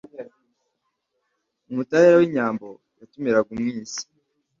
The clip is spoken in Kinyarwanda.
umutahira w'inyambo yatumiraga umwisi